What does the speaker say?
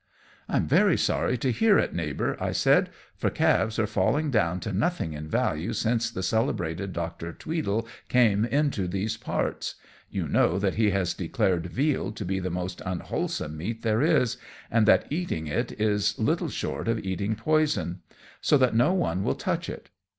"'I am very sorry to hear it, Neighbour,' I said; 'for calves are falling down to nothing in value since the celebrated Doctor Tweedle came into these parts. You know that he has declared veal to be the most unwholesome meat there is, and that eating it is little short of eating poison; so that no one will touch it.